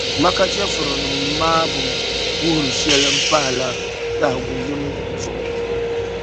Makka chεfurinim’ maa bi guhiri shεli m-pahila tahigu yim zuɣu.